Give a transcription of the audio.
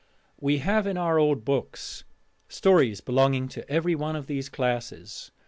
We have in our old books stories belonging to every one of these classes.